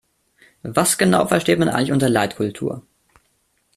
Was genau versteht man eigentlich unter Leitkultur?